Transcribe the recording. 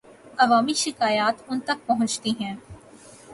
عوامی شکایات ان تک پہنچتی ہیں۔